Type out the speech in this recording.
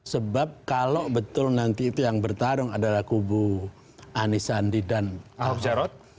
sebab kalau betul nanti itu yang bertarung adalah kubu anisandi dan ahok jarot